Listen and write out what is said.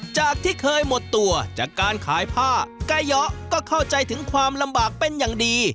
จากที่เคยหมดตัวจากการขายผ้ากาย้อก็เข้าใจถึงความลำบากเป็นอย่างดี